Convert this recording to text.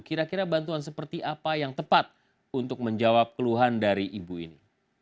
kira kira bantuan seperti apa yang tepat untuk menjawab keluhan dari ibu ini